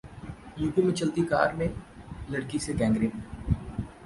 UP में चलती car में लड़की से गैंगरेप